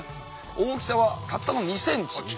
大きさはたったの２ｃｍ。